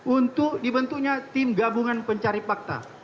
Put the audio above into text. untuk dibentuknya tim gabungan pencari fakta